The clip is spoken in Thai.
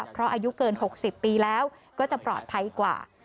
เพราะอายุเกิน๖๐ปีแล้วก็จะปลอดภัยกว่า